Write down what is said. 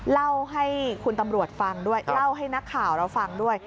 เล่าให้คุณตำรวจฟังด้วยเล่าให้นักข่าวเราฟังด้วย